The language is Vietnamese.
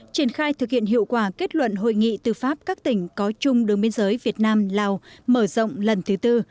triển khai thực hiện hiệu quả kết luận hội nghị tư pháp các tỉnh có chung đường biên giới việt nam lào mở rộng lần thứ tư